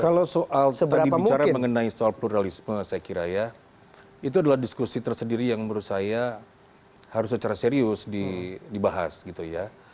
kalau soal tadi bicara mengenai soal pluralisme saya kira ya itu adalah diskusi tersendiri yang menurut saya harus secara serius dibahas gitu ya